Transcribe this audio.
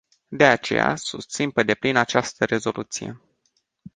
De aceea, susțin pe deplin această rezoluție.